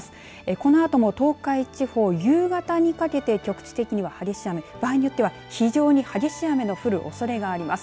このあとも東海地方夕方にかけて局地的には激しい雨場合によっては非常に激しい雨が降るおそれがあります。